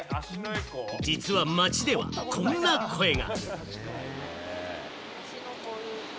実は街ではこんな声が。